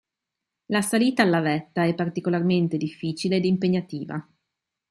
La salita alla vetta è particolarmente difficile ed impegnativa.